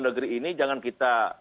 negeri ini jangan kita